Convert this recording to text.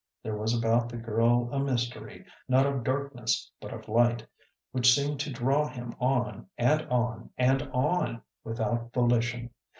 There was about the girl a mystery, not of darkness but of light, which seemed to draw him on and on and on without volition.